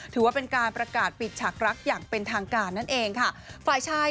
ถือว่าเป็นการประกาศปิดฉากรักอย่างเป็นทางการนั่นเองค่ะฝ่ายชาย